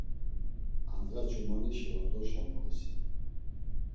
Andğa ç̌umanişi ordoşa moviseli.